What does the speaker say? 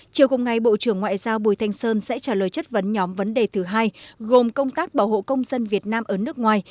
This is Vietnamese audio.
chiều cùng ngày bộ trưởng ngoại giao bùi thanh sơn sẽ trả lời chất vấn nhóm vấn đề thứ hai gồm công tác bảo hộ công dân việt nam ở nước ngoài